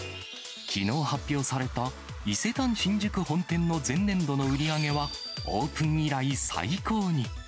きのう発表された伊勢丹新宿本店の前年度の売り上げは、オープン以来最高に。